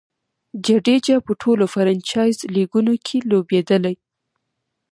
جډیجا په ټولو فرنچائز لیګونو کښي لوبېدلی.